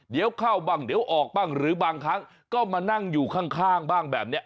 เดี๋ยวเข้าบ้างเดี๋ยวออกบ้างหรือบางครั้งก็มานั่งอยู่ข้างบ้างแบบนี้